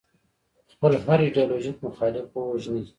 خپل هر ایدیالوژیک مخالف ووژني.